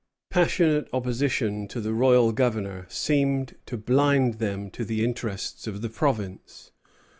Passionate opposition to the royal Governor seemed to blind them to the interests of the province.